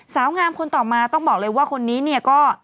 สาวงามคนต่อมาต้องบอกเลยว่าคนนี้เนี่ยก็